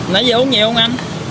nãy giờ uống nhiều không anh